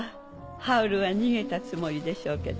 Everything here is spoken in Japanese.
ハウルは逃げたつもりでしょうけど。